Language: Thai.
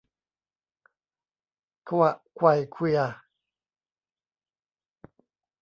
ขวะไขว่เขวี่ย